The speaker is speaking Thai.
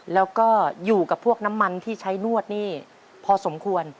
แล้วก็อยู่กับพวกน้ำมันที่ใช้นวดนี่พอสมควร